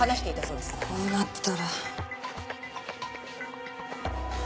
こうなったら。